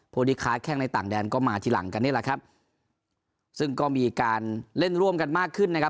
ที่ค้าแข้งในต่างแดนก็มาทีหลังกันนี่แหละครับซึ่งก็มีการเล่นร่วมกันมากขึ้นนะครับ